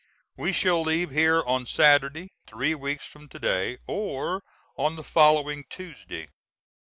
We shall leave here on Saturday, three weeks from to day, or on the following Tuesday.